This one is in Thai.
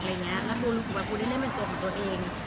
แล้วปูรู้สึกว่าปูได้เล่นเป็นตัวของตัวเอง